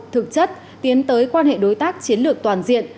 thực chất tiến tới quan hệ đối tác chiến lược toàn diện